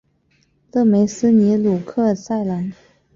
勒梅斯尼鲁克塞兰。